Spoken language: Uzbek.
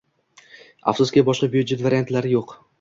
Afsuski, boshqa byudjet variantlari yo'q.